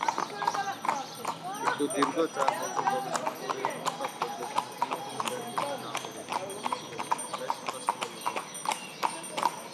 কিন্তু দীর্ঘ চার বছর গবেষণা করেও কোন তাৎপর্যপূর্ণ ফলাফল বের করতে না পেরে তিনি বেশ হতাশ হয়ে পড়েন।